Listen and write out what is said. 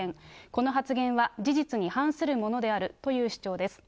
この発言は事実に反するものであるという主張です。